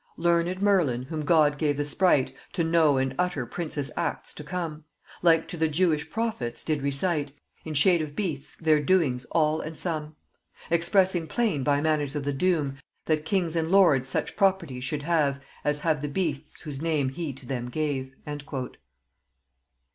"learned Merlin whom God gave the sprite To know and utter princes' acts to come, Like to the Jewish prophets did recite In shade of beasts their doings all and some; Expressing plain by manners of the doom That kings and lords such properties should have As have the beasts whose name he to them gave!"